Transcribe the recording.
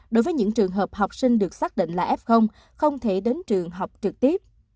đối với những trường hợp học sinh được xác định là f không thể đến trường học trực tiếp